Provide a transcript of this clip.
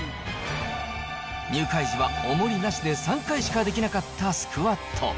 入会時は、おもりなしで３回しかできなかったスクワット。